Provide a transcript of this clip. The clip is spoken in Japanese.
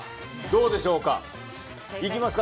どうでしょうか。